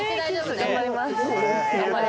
頑張ります